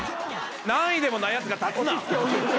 何位でもないやつが立つな。